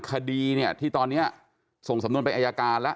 คดีเนี่ยที่ตอนนี้ส่งสำนวนไปอายการแล้ว